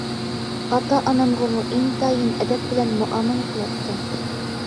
ئاتا-ئانامغىمۇ ئىنتايىن ئەدەپ بىلەن مۇئامىلە قىلاتتىڭ.